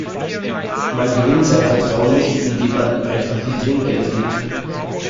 Man gewinnt sein Vertrauen nicht, indem man ihm einfach viel Trinkgeld gibt.